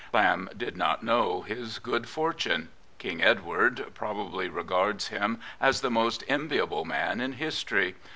Lamb did not know his good fortune. King Edward probably regards him as the most enviable man in history.